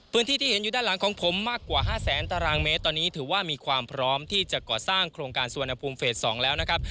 ที่เห็นอยู่ด้านหลังของผมมากกว่า๕แสนตารางเมตรตอนนี้ถือว่ามีความพร้อมที่จะก่อสร้างโครงการสุวรรณภูมิเฟส๒แล้วนะครับ